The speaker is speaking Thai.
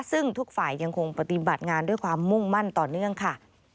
ซึ่งทุกฝ่ายยังคงปฏิบัติงานด้วยความมุ่งมั่นต่อเนื่องค่ะ